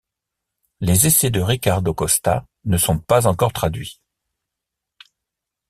Les essais de Ricardo Costa ne sont pas encore traduits.